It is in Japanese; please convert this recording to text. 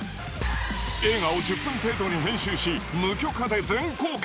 映画を１０分程度に編集し無許可で全公開！